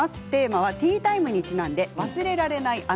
テーマはティータイムにちなんで忘れられない